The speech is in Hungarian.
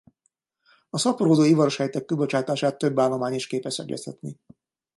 A szaporodó ivarsejtek kibocsátását több állomány is képes egyeztetni.